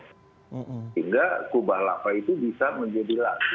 sehingga kubah lapar itu bisa menjadi lapar